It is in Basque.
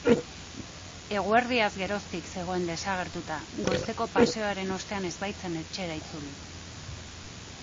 Eguerdiaz geroztik zegoen desagertuta, goizeko paseoaren ostean ez baitzen etxera itzuli.